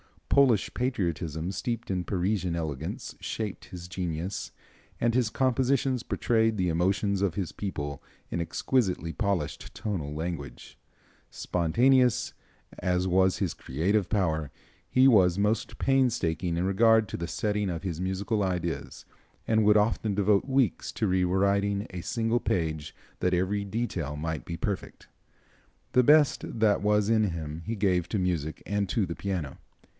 Polish patriotism steeped in Parisian elegance shaped his genius, and his compositions portray the emotions of his people in exquisitely polished tonal language. Spontaneous as was his creative power he was most painstaking in regard to the setting of his musical ideas and would often devote weeks to re writing a single page that every detail might be perfect. The best that was in him he gave to music and to the piano.